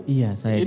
iya saya di situ